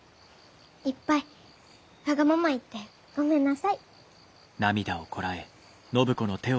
いっぱいわがまま言ってごめんなさい。